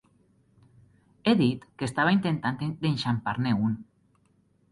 He dit que estava intentant d'enxampar-ne un.